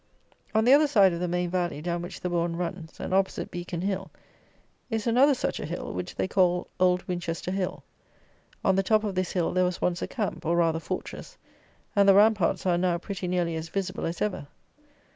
On the other side of the main valley down which the bourn runs, and opposite Beacon Hill, is another such a hill, which they call Old Winchester Hill. On the top of this hill there was once a camp, or, rather fortress; and the ramparts are now pretty nearly as visible as ever.